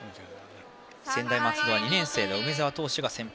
専大松戸は２年生の梅澤投手が先発。